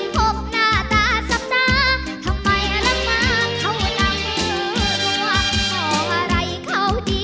ขอบคุณครับ